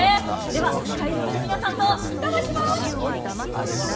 では海賊の皆さんといただきます！